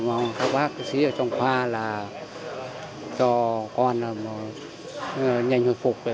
mong các bác sĩ ở trong khoa là cho con nhanh hồi phục